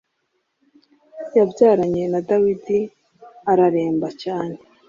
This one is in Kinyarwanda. yabyaranye na dawidi araremba cyane